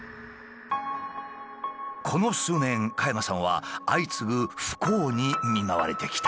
この数年加山さんは相次ぐ不幸に見舞われてきた。